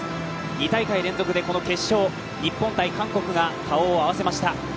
２大会連続でこの決勝、日本×韓国が顔を合わせました。